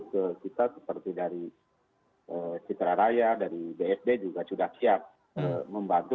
ke kita seperti dari citra raya dari bsd juga sudah siap membantu